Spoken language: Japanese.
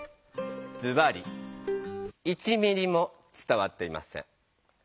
ズバリ１ミリも伝わっていません。